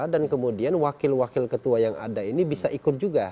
dan kemudian wakil wakil ketua yang ada ini bisa ikut juga